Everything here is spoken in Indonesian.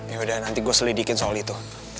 yaudah nanti gue selidikin soal itu